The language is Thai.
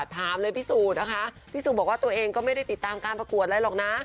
ถามเลยพิสูจน์นะคะพี่สูจนบอกว่าตัวเองก็ไม่ได้ติดตามการประกวดอะไรหรอกนะ